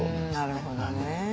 なるほどね。